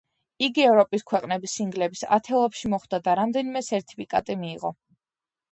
იგი ევროპის ქვეყნების სინგლების ათეულებში მოხვდა და რამდენიმე სერტიფიკატი მიიღო.